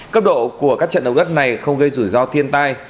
cấp độ của các trận động đất này không gây rủi ro thiên tai